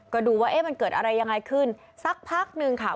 ก็ดูว่าเอ๊ะมันเกิดอะไรยังไงขึ้นสักพักหนึ่งค่ะ